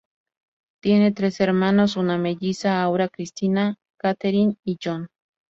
Tiene tres hermanos: una melliza, Aura Cristina, Catherine y John.